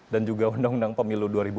dan juga undang undang pemilu dua ribu empat